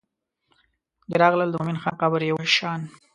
دوی راغلل د مومن خان قبر یې وشان.